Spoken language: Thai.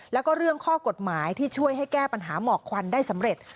แล้วก็เรื่องข้อกฎหมายที่ช่วยให้แก้ปัญหาหมอกควันได้สำเร็จ